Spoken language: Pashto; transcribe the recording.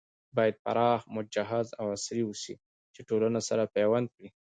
بايد پراخ، مجهز او عصري اوسي چې ټولنه سره پيوند کړي